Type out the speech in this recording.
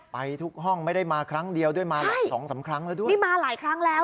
ไปทุกห้องไม่ได้มาครั้งเดียวด้วยมาหลายสองสามครั้งแล้วด้วยนี่มาหลายครั้งแล้ว